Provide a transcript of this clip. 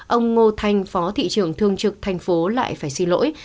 ông ngô thanh phó thị trưởng thương trực thành phố lại phải xin lỗi